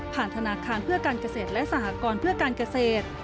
ธนาคารเพื่อการเกษตรและสหกรเพื่อการเกษตร